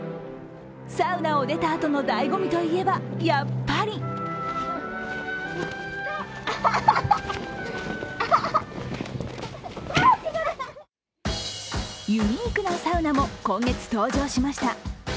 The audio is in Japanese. サウナを出たあとの醍醐味といえば、やっぱりユニークなサウナも今月、登場しました。